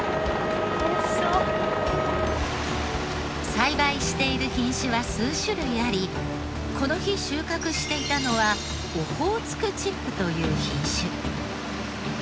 栽培している品種は数種類ありこの日収穫していたのはオホーツクチップという品種。